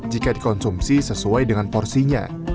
jika dikonsumsi sesuai dengan porsinya